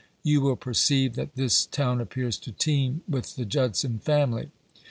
You will perceive that this town appears to teem with the Judson family.